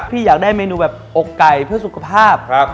พี่อยากได้เมนูแบบอกไก่เพื่อสุขภาพ